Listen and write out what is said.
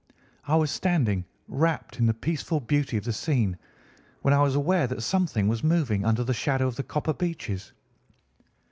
I was standing, rapt in the peaceful beauty of the scene, when I was aware that something was moving under the shadow of the copper beeches.